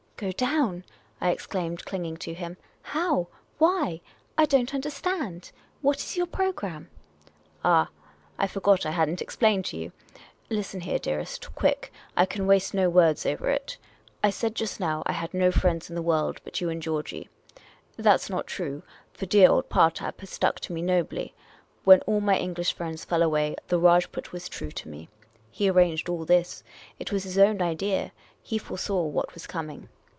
"Go down?" I exclaimed, clinging to him. "How? Why ? I don't understand. What is your programme ?"" Ah, I forgot I had n't explained to you ! Listen here, dearest — quick ; I can waste no words over it. I said just now I had no friends in the world but you and Georgey. That 's not true, for dear old Partab has stuck to me nobly. When all my English friends fell away, the Rajput was true to me. He arranged all this ; it was his own idea ; he fore saw what was coming.